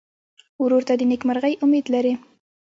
ورور ته د نېکمرغۍ امید لرې.